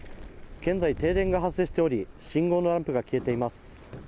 現在、停電が発生しており信号のランプが消えています。